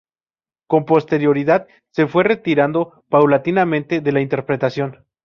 Con posterioridad se fue retirando paulatinamente de la interpretación.